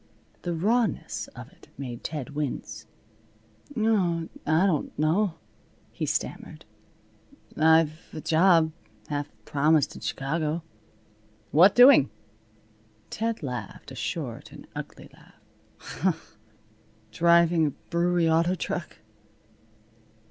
The rawness of it made Ted wince. "Oh, I don't know," he stammered. "I've a job half promised in Chicago." "What doing?" Ted laughed a short and ugly laugh. "Driving a brewery auto truck."